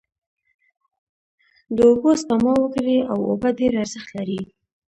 داوبوسپما وکړی او اوبه ډیر ارښت لری